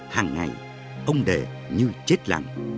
hằng ngày ông đệ như chết lặng